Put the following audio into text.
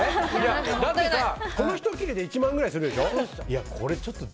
だって、この１切れで１万くらいするでしょ。